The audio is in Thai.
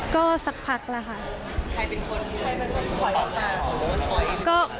ก็สักผักละคะ